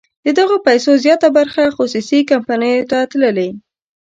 د دغه پیسو زیاته برخه خصوصي کمپنیو ته تللې.